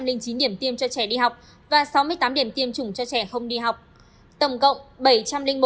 với năm trăm linh chín điểm tiêm cho trẻ đi học và sáu mươi tám điểm tiêm chủng cho trẻ không đi học